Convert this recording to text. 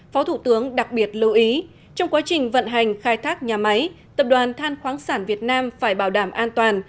phó thủ tướng đặc biệt lưu ý trong quá trình vận hành khai thác nhà máy tập đoàn than khoáng sản việt nam phải bảo đảm an toàn